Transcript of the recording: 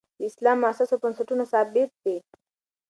د اسلام اساس او بنسټونه ثابت دي.